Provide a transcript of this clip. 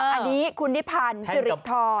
อันนี้คุณนิพันธ์สิริธร